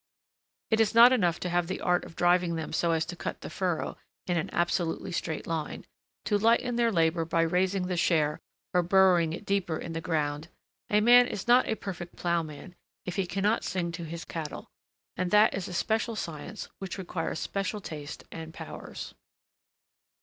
It is not enough to have the art of driving them so as to cut the furrow in an absolutely straight line, to lighten their labor by raising the share or burying it deeper in the ground: a man is not a perfect ploughman if he cannot sing to his cattle, and that is a special science which requires special taste and powers.